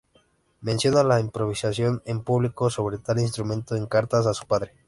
Menciona la improvisación en público sobre tal instrumento en cartas a su padre.